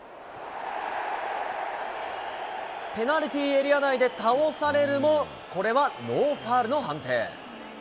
ペナルティーエリア内で倒されるも、これはノーファウルの判定。